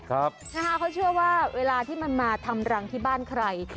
เขาเชื่อว่าเวลาที่มันมาทำรังที่บ้านใคร